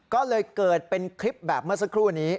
ก็เลยเกิดเป็นคลิปแบบเมื่อสักครู่นี้